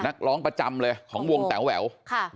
นักร้องประจำเลยของวงแต๋วแหวว